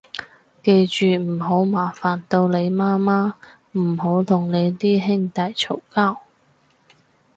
記住唔好麻煩到你媽媽，唔好同你啲兄弟嘈交